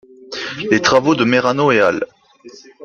Les travaux de Merano et al.